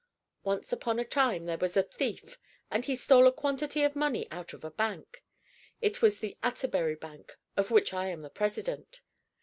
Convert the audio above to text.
Once upon a time there was a thief, and he stole a quantity of money out of a bank. It was the Atterbury Bank, of which I am the president.